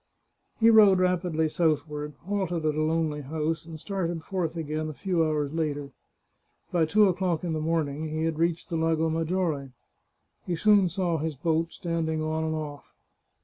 He rode rapidly southward, halted at a lonely house, and started forth again a few hours later. By two o'clock in the morning he had reached the Lago Maggiore. He soon saw his boat, standing on and oflf.